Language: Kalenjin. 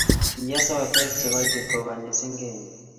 kiee sodek chegoitit koganyi sengenyi